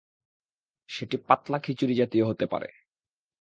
সেটি পাতলা খিচুড়িজাতীয় হতে পারে।